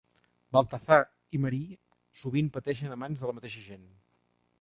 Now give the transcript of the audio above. Balthazar i Marie sovint pateixen a mans de la mateixa gent.